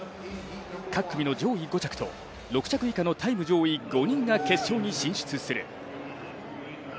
各組の上位５着と６着以下のタイム上位５人が決勝に進出する。